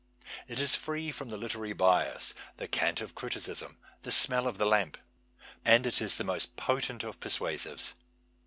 It is free from the literary bias, the cant of criticism, the smell of the lamp. And it is the most potent of persuasives.